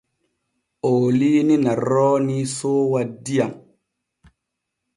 Ooliini na roonii soowa diyam.